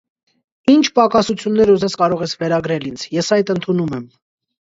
Ի՛նչ պակասություններ ուզես կարող ես վերագրել ինձ, ես այդ ընդունում եմ.